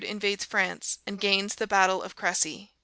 invades France, and gains the battle of Cressy.